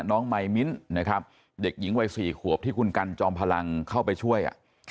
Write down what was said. น้องมายมิ้นนะครับเด็กหญิงวัย๔ขวบที่คุณกันจอมพลังเข้าไปช่วย